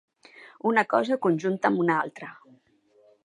Una cosa conjunta amb una altra.